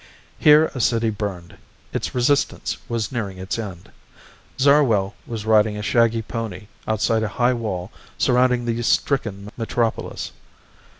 Here a city burned. Its resistance was nearing its end. Zarwell was riding a shaggy pony outside a high wall surrounding the stricken metropolis.